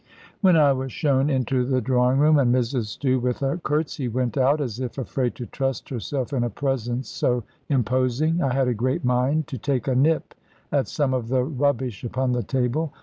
When I was shown into the drawing room, and Mrs Stew with a curtsy went out, as if afraid to trust herself in a presence so imposing, I had a great mind to take a nip at some of the rubbish upon the table.